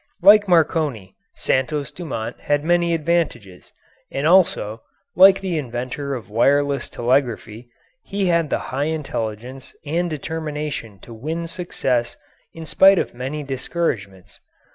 Like Marconi, Santos Dumont had many advantages, and also, like the inventor of wireless telegraphy, he had the high intelligence and determination to win success in spite of many discouragements.